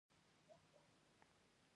سلطان ټیپو زمانشاه ته لیکلي وه.